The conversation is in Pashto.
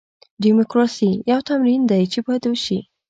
ډیموکراسي یو تمرین دی چې باید وشي.